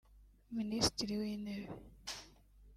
Minisitiri w’intebe